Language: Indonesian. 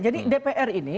jadi dpr ini